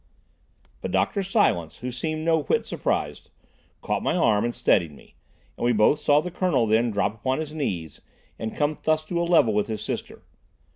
But Dr. Silence, who seemed no whit surprised, caught my arm and steadied me, and we both saw the Colonel then drop upon his knees and come thus to a level with his sister.